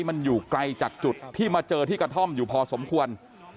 มันอยู่ไกลจากจุดที่มาเจอที่กระท่อมอยู่พอสมควร